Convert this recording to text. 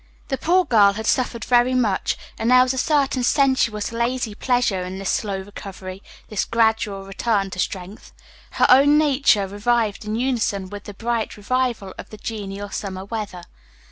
The poor girl had suffered very much, and there was a certain sensuous, lazy pleasure in this slow recovery, this gradual return Page 50 to strength. Her own nature revived in unison with the bright revival of the genial summer weather.